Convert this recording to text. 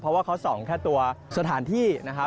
เพราะว่าเขาส่องแค่ตัวสถานที่นะครับ